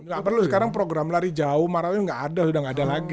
gak perlu sekarang program lari jauh marahnya gak ada udah gak ada lagi